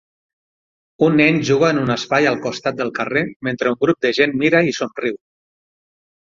Un nen juga en un espai al costat del carrer mentre un grup de gent mira i somriu